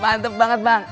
mantep banget bang